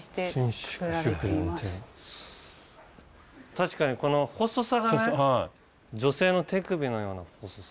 確かにこの細さがね女性の手首のような細さ。